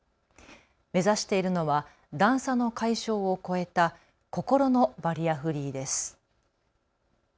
目指しているのは段差の解消を超えた心のバリアフリーです。